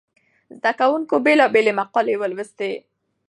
زده کوونکو بېلابېلې مقالې ولوستې.